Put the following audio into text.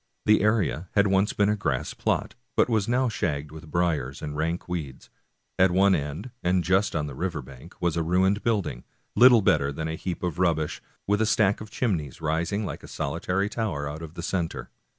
The area had once been a grass plot, but was now shagged with briers and rank weeds. At one end, and just on the river bank, was a ruined building, little better than a heap of rubbish, with a stack of chimneys rising like a solitary tower out of the center.